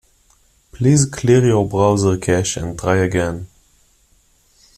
Please clear your browser cache and try again.